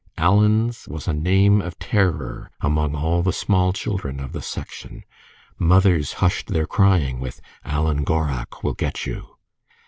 Alan's was a name of terror among all the small children of the section. Mothers hushed their crying with, "Alan Gorrach will get you."